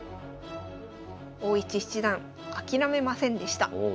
大石七段諦めませんでした。